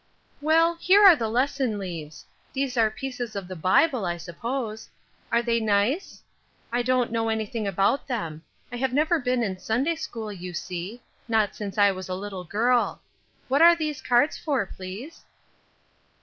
"Well, here are Lesson Leaves. These are pieces of the Bible, I suppose. Are they nice? I don't know anything about them. I have never been in Sunday school, you see; not since I was a little girl. What are these cards for, please?"